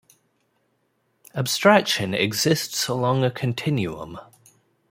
Abstraction exists along a continuum.